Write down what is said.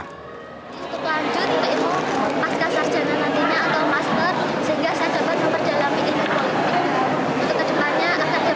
untuk lanjut saya ingin memasak sarjana nantinya atau master sehingga saya dapat memperjalan pilihan politik